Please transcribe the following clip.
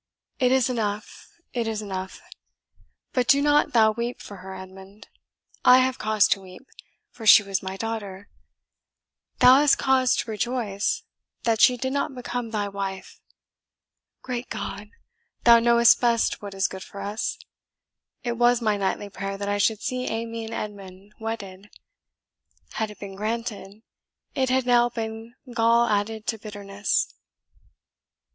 "It is enough it is enough. But do not thou weep for her, Edmund. I have cause to weep, for she was my daughter; thou hast cause to rejoice, that she did not become thy wife. Great God! thou knowest best what is good for us. It was my nightly prayer that I should see Amy and Edmund wedded, had it been granted, it had now been gall added to bitterness."